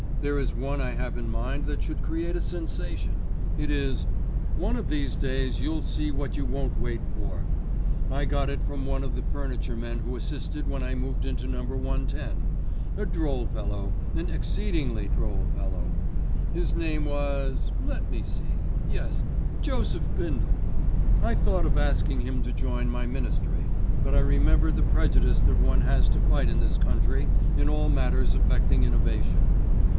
There is one I have in mind that should create a sensation. It is: 'One of these days you'll see what you won't wait for.' I got it from one of the furniture men who assisted when I moved into No. 110; a droll fellow, an exceedingly droll fellow. His name was—let me see, yes, Joseph Bindle. I thought of asking him to join my Ministry, but I remembered the prejudice that one has to fight in this country in all matters affecting innovation.